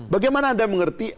bagaimana anda mengerti